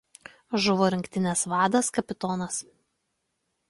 Žuvo rinktinės vadas kpt.